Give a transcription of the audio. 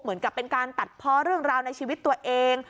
เหมือนกับเป็นการตัดเพาะเรื่องราวในชีวิตตัวเอง